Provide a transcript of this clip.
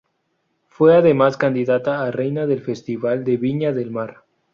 Fue además candidata a Reina del Festival de Viña del Mar.